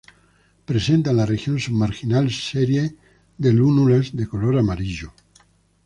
Presenta en la región submarginal serie de lúnulas de color amarillo.